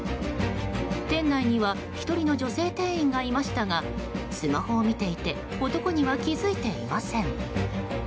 店内には１人の女性店員がいましたがスマホを見ていて男には気づいていません。